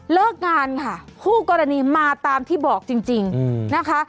เลิกงานค่ะคู่กรณีมาตามที่บอกจริงนะคะ